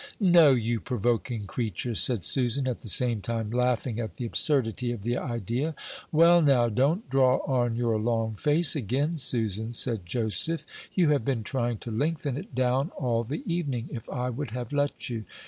"No, you provoking creature!" said Susan, at the same time laughing at the absurdity of the idea. "Well, now, don't draw on your long face again, Susan," said Joseph; "you have been trying to lengthen it down all the evening, if I would have let you.